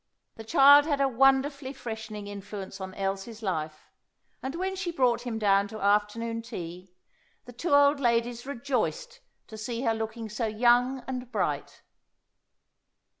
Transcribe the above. The child had a wonderfully freshening influence on Elsie's life, and when she brought him down to afternoon tea, the two old ladies rejoiced to see her looking so young and bright.